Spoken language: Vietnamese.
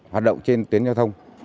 hoạt động trên tuyến giao thông